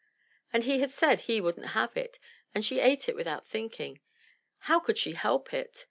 And he had said he wouldn't have it, and she ate it without think ing; how could she help it?